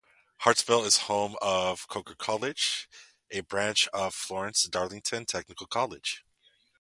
Hartsville is home of Coker College and a branch of Florence-Darlington Technical College.